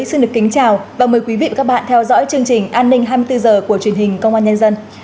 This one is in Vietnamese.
xin được kính chào và mời quý vị và các bạn theo dõi chương trình an ninh hai mươi bốn h của truyền hình công an nhân dân